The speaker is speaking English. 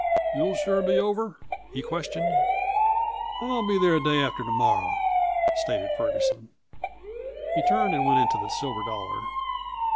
"You'll sure be over?" he questioned. "I'll be there the day after to morrow," stated Ferguson. He turned and went into the Silver Dollar.